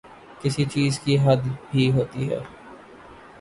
کسی چیز کی حد بھی ہوتی ہے۔